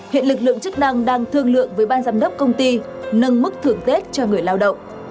hiện lực lượng chức năng đang thương lượng với ban giám đốc công ty nâng mức thưởng tết cho người lao động